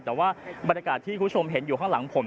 แต่ว่าบรรยากาศที่คุณผู้ชมเห็นอยู่ข้างหลังผม